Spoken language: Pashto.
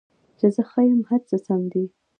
چې زه ښه یم، هر څه سم دي